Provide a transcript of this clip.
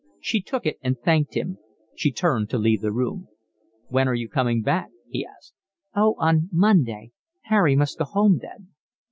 She took it and thanked him. She turned to leave the room. "When are you coming back?" he asked. "Oh, on Monday. Harry must go home then."